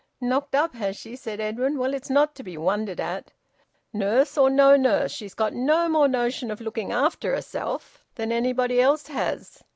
"Knocked up, has she?" said Edwin. "Well, it's not to be wondered at. Nurse or no nurse, she's got no more notion of looking after herself than anybody else has.